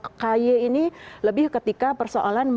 kekaya ini lebih ketika